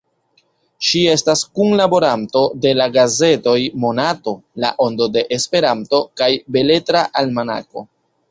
Ŝi estas kunlaboranto de la gazetoj Monato, La Ondo de Esperanto kaj Beletra Almanako.